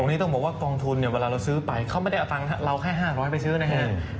ตรงนี้ต้องบอกว่ากองทุนเนี่ยเวลาเราซื้อไปเขาไม่ได้เอาเงิน๕๐๐บาทไปซื้อนะครับ